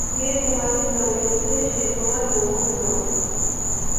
যে তোমাকে জানিয়েছে সে তোমার বন্ধু নয়।